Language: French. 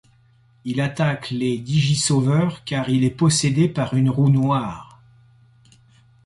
Il attaque les digi-sauveurs car il est possédé par une roue noire.